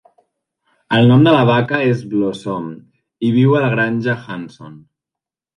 El nom de la vaca és Blosom i viu a la granja Hanson.